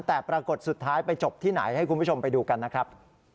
แต่ปรากฏสุดท้ายไปจบที่ไหนให้คุณผู้ชมไปดูกันนะครับ